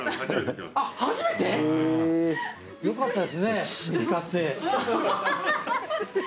あっ初めて？よかったですね見つかって。